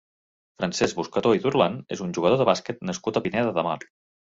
Francesc Buscató i Durlan és un jugador de bàsquet nascut a Pineda de Mar.